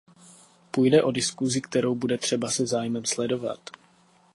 Půjde o diskusi, kterou bude třeba se zájmem sledovat.